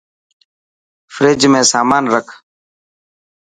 فريج ۾ سامان رک